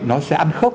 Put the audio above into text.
nó sẽ ăn khớp